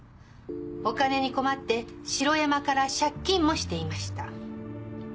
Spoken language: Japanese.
お金に困って城山から借金もしていました。